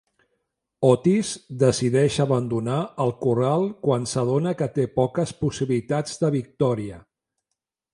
Otis decideix abandonar el corral quan s'adona que té poques possibilitats de victòria.